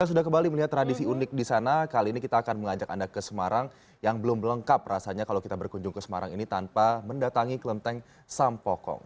kita sudah kembali melihat tradisi unik di sana kali ini kita akan mengajak anda ke semarang yang belum lengkap rasanya kalau kita berkunjung ke semarang ini tanpa mendatangi kelenteng sampokong